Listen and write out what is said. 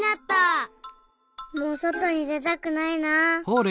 もうそとにでたくないな。